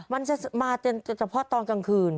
มันจะมาเฉพาะตอนกลางคืน